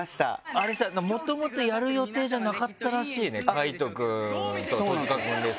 あれさ元々やる予定じゃなかったらしいね海人くんと戸塚くんでさ。